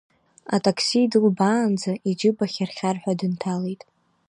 Атакси дылбаанӡа, иџьыба хьар-хьар ҳәа дынҭалеит.